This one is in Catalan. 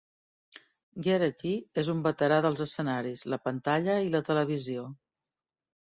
Gerety és un veterà dels escenaris, la pantalla i la televisió.